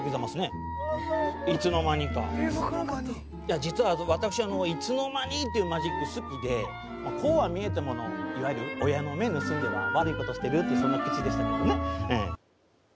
実は私あのいつの間にっていうマジック好きでこうは見えてものういわゆる親の目盗んでは悪いことしてるってその口でしたけどね。